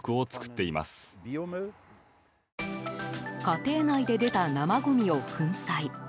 家庭内で出た生ごみを粉砕。